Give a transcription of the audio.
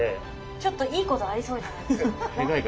ちょっといいことありそうじゃないですか。